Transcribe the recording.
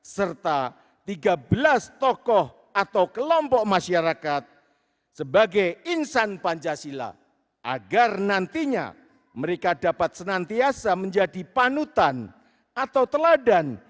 serta tiga belas tokoh atau kelompok masyarakat sebagai insan pancasila agar nantinya mereka dapat senantiasa menjadi panutan atau teladan